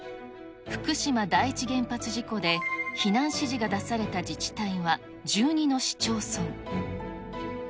福島第一原発事故で、避難指示が出された自治体は１２の市町村。